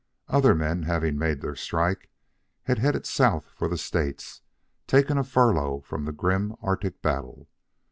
Other men, having made their strike, had headed south for the States, taking a furlough from the grim Arctic battle.